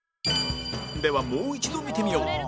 ではもう一度見てみよう